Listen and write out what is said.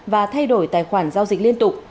và thay đổi tài khoản giao dịch liên tục